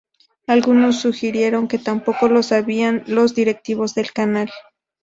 Algunos sugirieron que tampoco lo sabían los directivos del Canal.